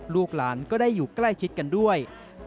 ลูกหลานก็ได้อยู่ใกล้ชิดกันด้วย